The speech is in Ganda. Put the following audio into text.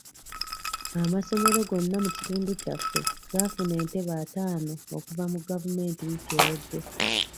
Amasomero gonna mu kitundu kyaffe gaafuna entebe ataano okuva mu gavumenti wiiki ewedde.